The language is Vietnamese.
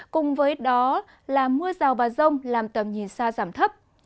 cùng với đó là mưa rào và rông làm tầm nhìn xa giảm thấp